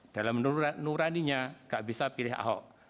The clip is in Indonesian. dalam nuraninya gak bisa pilih ahok